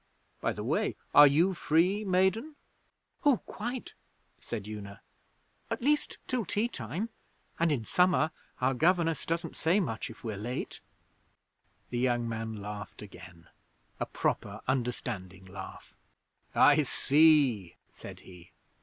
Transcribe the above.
By the way, are you free, maiden?' 'Oh, quite,' said Una. 'At least, till tea time; and in summer our governess doesn't say much if we're late.' The young man laughed again a proper understanding laugh. 'I see,' said he.